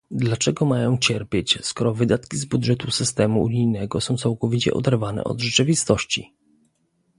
Dlaczego mają cierpieć, skoro wydatki z budżetu systemu unijnego są całkowicie oderwane od rzeczywistości?